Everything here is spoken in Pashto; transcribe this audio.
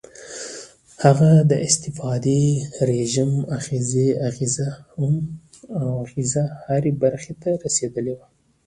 د هغه د استبدادي رژیم اغېزه هرې برخې ته رسېدلې وه.